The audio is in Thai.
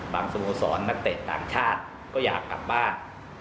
สโมสรนักเตะต่างชาติก็อยากกลับบ้าน